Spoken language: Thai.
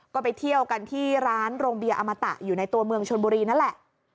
ก็ไปเที่ยวกันที่ร้านโรงเบียอมตะอยู่ในตัวเมืองชนบุรีนั่นแหละ